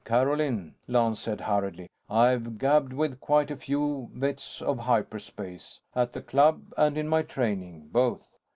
"Carolyn," Lance said, hurriedly. "I've gabbed with quite a few vets of hyperspace. At the Club and in my training, both.